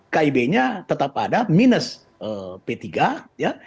kib nya tetap ada minus p tiga ya